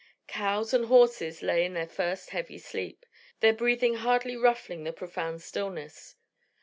Cows and horses lay in their first heavy sleep, their breathing hardly ruffling the profound stillness.